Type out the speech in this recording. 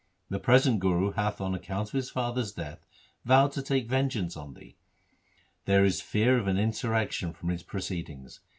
The pre sent Guru hath on account of his father's death vowed to take vengeance on thee. There is fear of an insurrection from his proceedings.